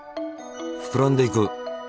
ふくらんでいく。